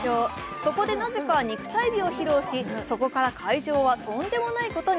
そこでなぜか肉体美を披露し、そこから会場はとんでもないことに。